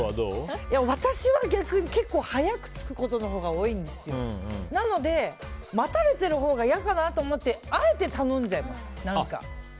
私は逆に早く着くことが多いんので待たれているほうがいやかなと思ってあえて何かを頼んじゃいます。